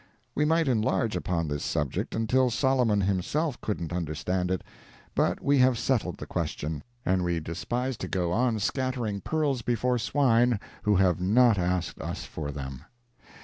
We might enlarge upon this subject until Solomon himself couldn't under stand it—but we have settled the question, and we despise to go on scattering pearls before swine who have not asked us for them.